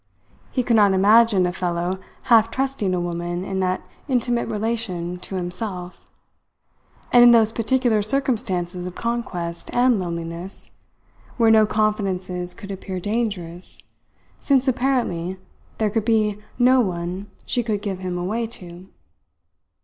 He could not imagine a fellow half trusting a woman in that intimate relation to himself, and in those particular circumstances of conquest and loneliness where no confidences could appear dangerous since, apparently, there could be no one she could give him away to.